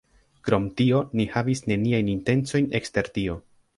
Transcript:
Krom tio Ni havis neniajn intencojn ekster tio.